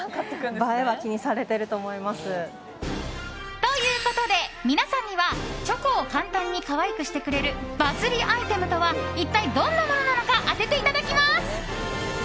ということで皆さんにはチョコを簡単に可愛くしてくれるバズりアイテムとは一体どんなものなのか当てていただきます。